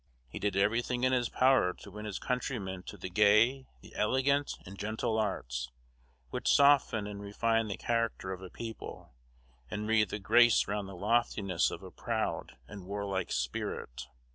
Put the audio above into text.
He did every thing in his power to win his countrymen to the gay, the elegant, and gentle arts, which soften and refine the character of a people, and wreathe a grace round the loftiness of a proud and warlike spirit.